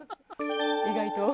意外と。